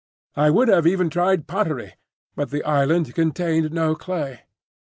I would have even tried pottery, but the island contained no clay.